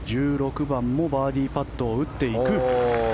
１６番もバーディーパットを打っていく。